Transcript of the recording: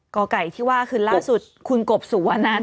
กไก่ที่ว่าคือล่าสุดคุณกบสุวนัน